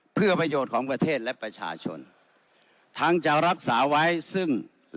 เพื่อประโยชน์ของประเทศและประชาชนทั้งจะรักษาไว้ซึ่ง